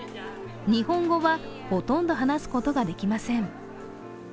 日本語はほとんど話すことができません。